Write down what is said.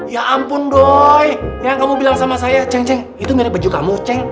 ya ampun boy yang kamu bilang sama saya ceng ceng itu mirip baju kamu ceng